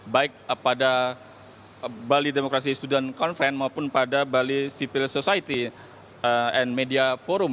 baik pada bali demokrasi student conference maupun pada bali civil society and media forum